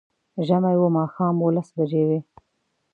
ژمی و، ماښام و، لس بجې وې